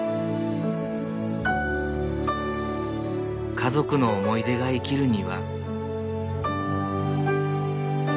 家族の思い出が生きる庭。